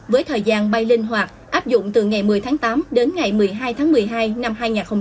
với thời gian bay linh hoạt áp dụng từ ngày một mươi tháng tám đến ngày một mươi hai tháng một mươi hai năm hai nghìn hai mươi